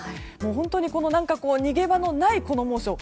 本当に逃げ場のない、この猛暑。